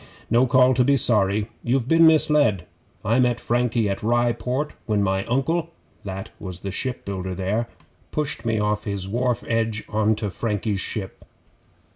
'No call to be sorry. You've been misled. I met Frankie at Rye Port when my Uncle, that was the shipbuilder there, pushed me off his wharf edge on to Frankie's ship.